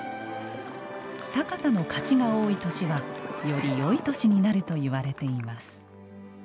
左方の勝ちが多い年はよりよい年になるといわれています。